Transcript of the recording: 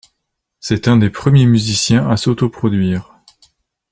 C'est un des premiers musiciens à s'autoproduire.